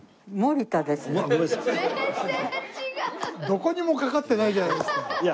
どこにもかかってないじゃないですか。